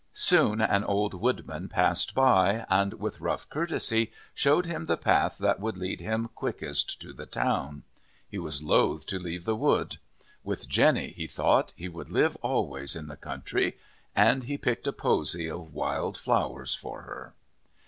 Soon an old woodman passed by, and, with rough courtesy, showed him the path that would lead him quickest to the town. He was loth to leave the wood. With Jenny, he thought, he would live always in the country. And he picked a posy of wild flowers for her.